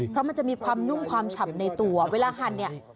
เพราะมันจะมีความนุ่มความฉ่ำในตัวเวลาหั่นเนี่ย